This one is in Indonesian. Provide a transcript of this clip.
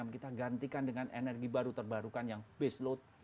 kita gantikan dengan energi baru terbarukan yang base load